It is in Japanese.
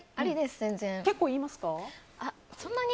結構言いますか？